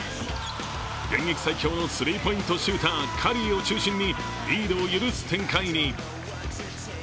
現役最強のスリーポイントシューターカリーを中心にリードを許す展開に。